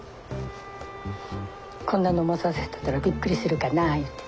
こんなの持たせてたらびっくりするかなぁいうて。